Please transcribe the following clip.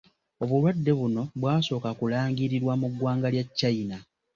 Obulwadde buno bwasooka kulangirirwa mu ggwanga lya Kyayina.